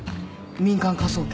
民間科捜研。